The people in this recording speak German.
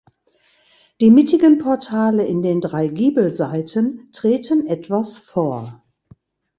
Die mittigen Portale in den drei Giebelseiten treten etwas vor.